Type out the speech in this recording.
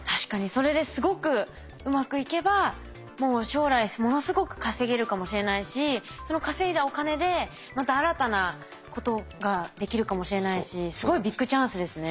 それですごくうまくいけばもう将来ものすごく稼げるかもしれないしその稼いだお金でまた新たなことができるかもしれないしすごいビッグチャンスですね。